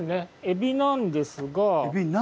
エビなんですが？